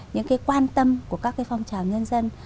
những cái quan tâm của các cái phong trào nhân dân